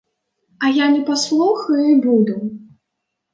А я не паслухаю і буду.